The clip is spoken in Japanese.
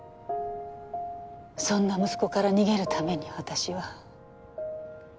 そんな息子から逃げるために私は。